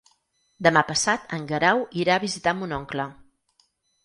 Demà passat en Guerau irà a visitar mon oncle.